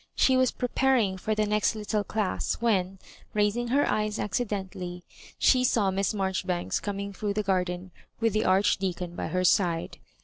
She was preparing for the next lit* tie class, when, raising her eyes accidentally, she saw Miss Marjoribanks coming through the gar den with the Archdeacon by her side.